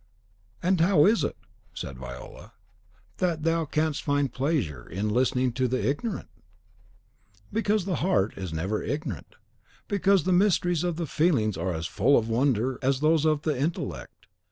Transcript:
"And how is it," said Viola, "that thou canst find pleasure in listening to the ignorant?" "Because the heart is never ignorant; because the mysteries of the feelings are as full of wonder as those of the intellect.